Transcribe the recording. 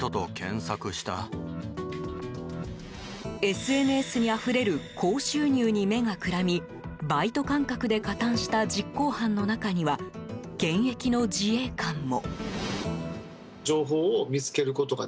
ＳＮＳにあふれる高収入に目がくらみバイト感覚で加担した実行犯の中には現役の自衛官も。